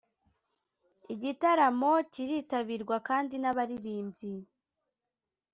Igitaramo kiritabirwa kandi n’abaririmbyi